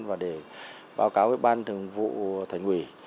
và để báo cáo với ban thường vụ thành ủy